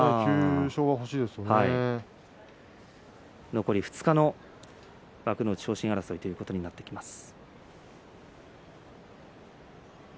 残り２日の幕内昇進争いということになってきます。